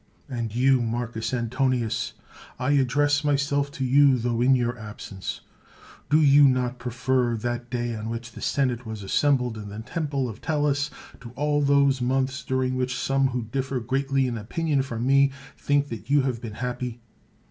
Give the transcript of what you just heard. And you, Marcus Antonius — (I address my self to you, tho in your absence) — do you not prefer that day on which the senate was assem bled in the temple of Tellus, to all those months during which some who differ greatly in opinion from me think that you have been happy